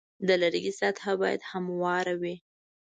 د لرګي سطحه باید همواره وي.